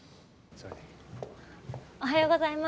おはようございます。